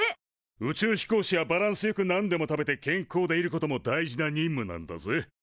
宇宙飛行士はバランスよくなんでも食べて健康でいることも大事な任務なんだぜ。